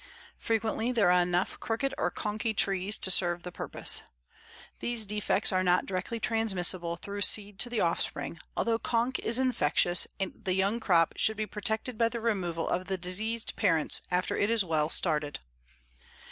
Frequently there are enough crooked or conky trees to serve the purpose. These defects are not directly transmissible through seed to the offspring, although conk is infectious and the young crop should be protected by the removal of the diseased parents after it is well started.